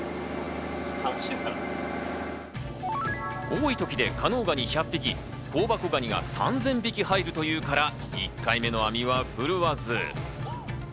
多いときで加納ガニ１００匹、香箱ガニが３０００匹入るというから１回目の網は振るわず。